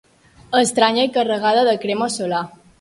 Estranya i carregada de crema solar.